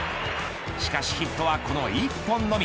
しかしヒットはこの１本のみ。